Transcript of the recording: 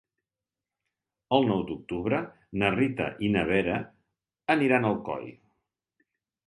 El nou d'octubre na Rita i na Vera aniran a Alcoi.